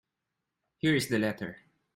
Here is the letter.